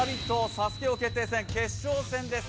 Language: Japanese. ＳＡＳＵＫＥ王決定戦決勝戦です。